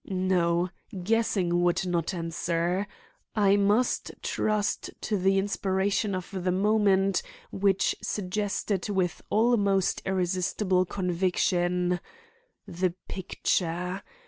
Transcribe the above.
No; guessing would not answer. I must trust to the inspiration of the moment which suggested with almost irresistible conviction: _The picture!